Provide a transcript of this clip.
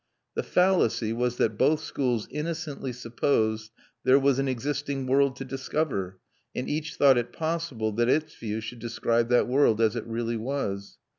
The fallacy was that both schools innocently supposed there was an existing world to discover, and each thought it possible that its view should describe that world as it really was.